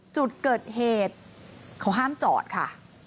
จุดเกิดเหตุเขาห้ามจอดค่ะ